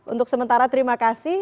untuk sementara terima kasih